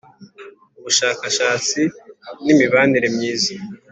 Ubushakashatsi n’imibanire myiza